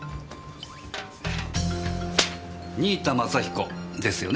新井田政彦ですよね？